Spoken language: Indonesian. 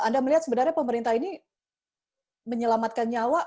anda melihat sebenarnya pemerintah ini menyelamatkan nyawa